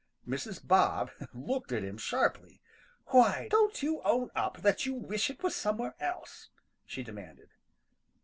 Mrs. Bob looked at him sharply. "Why don't you own up that you wish it was somewhere else?" she demanded.